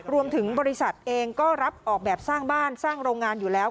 รวมถึงบริษัทเองก็รับออกแบบสร้างบ้านสร้างโรงงานอยู่แล้ว